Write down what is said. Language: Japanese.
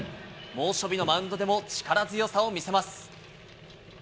猛暑日のマウンドでも力強さを見せます。